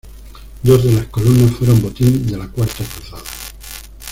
Dos de las columnas fueron botín de la Cuarta Cruzada.